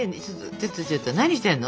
ちょっとちょっと何してんの？